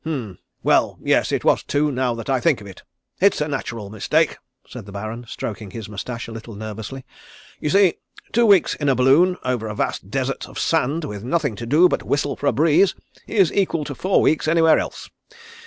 Hem! Well, yes it was two, now that I think of it. It's a natural mistake," said the Baron stroking his mustache a little nervously. "You see two weeks in a balloon over a vast desert of sand, with nothing to do but whistle for a breeze, is equal to four weeks anywhere else.